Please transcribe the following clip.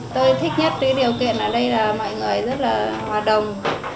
tôi thích nhất với điều kiện ở đây là mọi người rất là hòa đồng